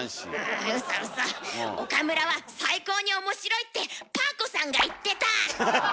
ウソウソ岡村は最高におもしろいってパー子さんが言ってた！